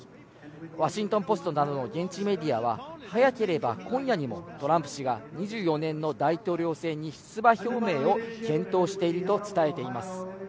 ワシントンポストなどの現地メディアは早ければ今夜にもトランプ氏が２４年の大統領選に出馬表明を検討していると伝えています。